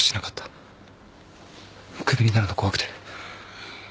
クビになるの怖くて。